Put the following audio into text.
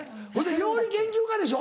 料理研究家でしょ？